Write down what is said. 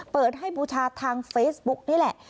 เปิดให้บูชาทางเฟซบุ๊กนี่แหละ